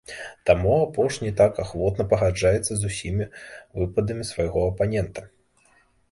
Таму апошні так ахвотна пагаджаецца з усімі выпадамі свайго апанента.